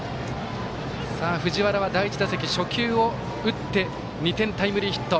藤原は第１打席、初球を打って２点タイムリーヒット。